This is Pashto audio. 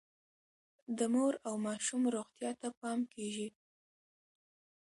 د مور او ماشوم روغتیا ته پام کیږي.